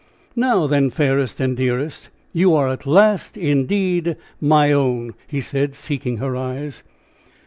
"Now, then, fairest and dearest, you are at last, indeed, my own!" he said, seeking her eyes.